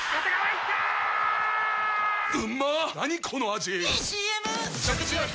⁉いいＣＭ！！